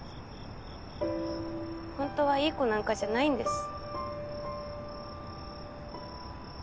本当はいい子なんかじゃないんです。